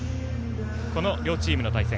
この両チームの対戦。